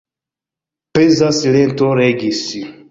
Peza silento regis.